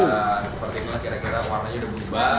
sepertinya kira kira warnanya udah berubah